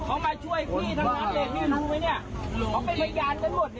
หามาช่วยพี่ทั้งรักเรงพี่รู้ไหมเนี่ย